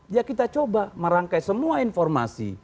ya kita coba merangkai semua informasi